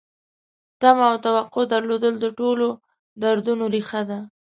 تمه او توقع درلودل د ټولو دردونو ریښه ده.